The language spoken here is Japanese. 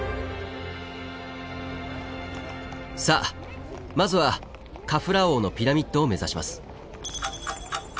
さあまずはカフラー王のピラミッドを目指します。